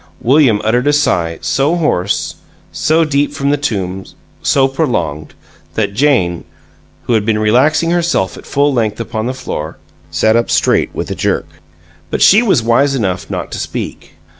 William uttered a sigh, so hoarse, so deep from the tombs, so prolonged, that Jane, who had been relaxing herself at full length upon the floor, sat up straight with a jerk. But she was wise enough not to speak.